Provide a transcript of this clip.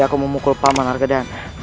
aku memukul paman warga dana